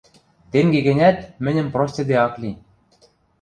Тенге гӹнят, мӹньӹм простьыде ак ли.